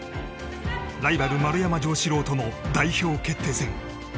ライバル・丸山城志郎との代表決定戦。